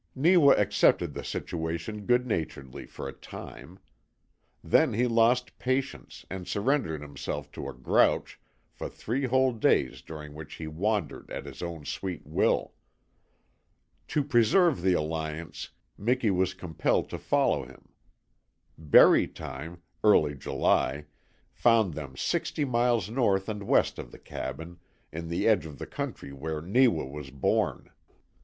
Neewa accepted the situation good naturedly for a time. Then he lost patience and surrendered himself to a grouch for three whole days during which he wandered at his own sweet will. To preserve the alliance Miki was compelled to follow him. Berry time early July found them sixty miles north and west of the cabin, in the edge of the country where Neewa was born.